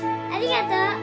ありがとう！